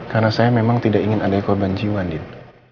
karena saya memang tidak ingin ada korban jiwa din